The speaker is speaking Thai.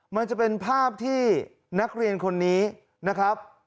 มันจะเป็นภาพที่นักเรียนคนนี้นะครับ